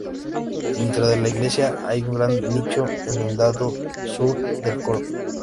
Dentro de la iglesia, hay un gran nicho en el lado sur del coro.